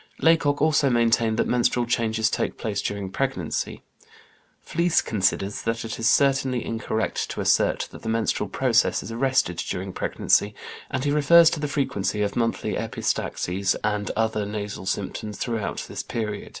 Laycock also maintained that menstrual changes take place during pregnancy (Nervous Diseases of Women, p. 47). Fliess considers that it is certainly incorrect to assert that the menstrual process is arrested during pregnancy, and he refers to the frequency of monthly epistaxis and other nasal symptoms throughout this period (W.